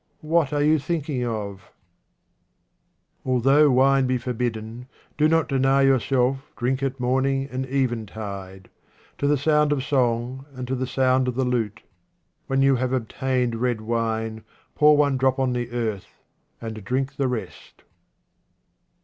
What are you thinking of ? Although wine be forbidden, do not deny 20 QUATRAINS OF OMAR KHAYYAM yourself drink at morning and eventide, to the sound of song and to the music of the lute. When you have obtained red wine, pour one drop on the earth, and drink the rest.